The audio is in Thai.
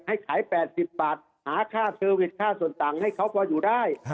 ให้ขาย๘๐บาทหาค่าเซอร์วิสค่าส่วนต่างให้เขาพออยู่ได้